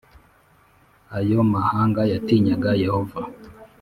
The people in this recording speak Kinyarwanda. Ayo mahanga yatinyaga Yehova